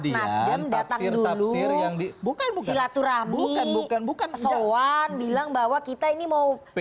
silaturahmi soan bilang bahwa kita ini mau bisa jalan